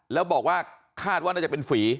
แล้วบอกว่าคาดว่าน่าจะเป็นฝี